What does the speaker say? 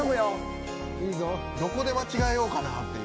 どこで間違えようかなっていう。